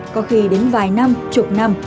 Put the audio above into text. có khi đến vài năm chục năm